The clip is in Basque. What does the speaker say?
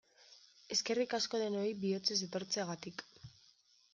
Eskerrik asko denoi bihotzez etortzeagatik!